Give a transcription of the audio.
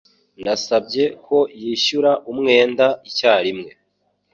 Nasabye ko yishyura umwenda icyarimwe.